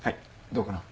どうかな？